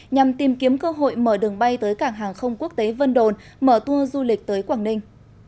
nhằm tìm kiếm cơ hội mở đường bay tới cảng hàng không quốc tế vân đồn mở tour du lịch tới quảng ninh